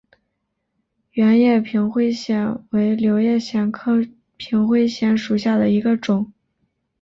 圆叶平灰藓为柳叶藓科平灰藓属下的一个种。